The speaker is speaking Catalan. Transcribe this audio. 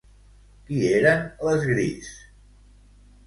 Qui eren les Grees?